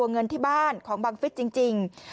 เงินที่บ้านของบังฟิศจริง